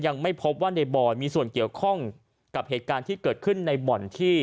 ยังไม่พบว่าในบอยมีส่วนเกี่ยวข้องกับเหตุการณ์ที่เกิดขึ้นในบ่อนที่